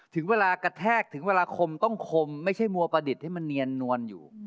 ถึงเวลากระแทกถึงเวลาคมต้องคมไม่ใช่มัวประดิษฐ์ให้มันเนียนนวลอยู่